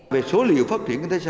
về số liệu phát triển các bạn thấy sao